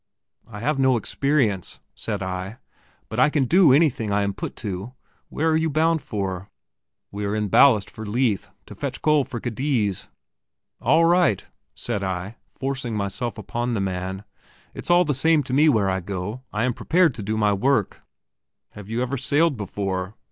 "I have no experience," said I; "but I can do anything I am put to. Where are you bound for?" "We are in ballast for Leith, to fetch coal for Cadiz." "All right," said I, forcing myself upon the man; "it's all the same to me where I go; I am prepared to do my work." "Have you never sailed before?"